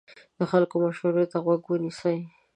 د خلکو مشورې ته غوږ ونیسئ.